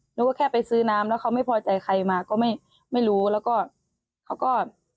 หนูก็แค่ไปซื้อน้ำแล้วเขาไม่พอใจใครมาก็ไม่รู้แล้วก็เขาก็